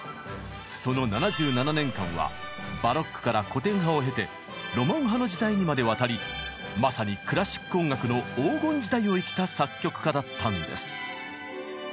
その７７年間はバロックから古典派を経てロマン派の時代にまでわたりまさにクラシック音楽の黄金時代を生きた作曲家だったんです。